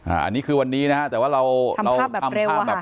อ่าอันนี้คือวันนี้นะฮะแต่ว่าเราทำภาพแบบเร็วอะฮะ